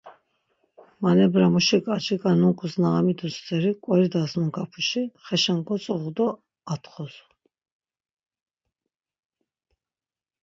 Manebramuşik acika nunk̆us na amidu steri k̆oridas nungapinuşi, xeşen kogotzuğu do atxozu.